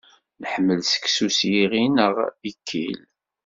Nḥemmel seksu s yiɣi neɣ ikkil.